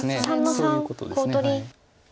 そういうことです。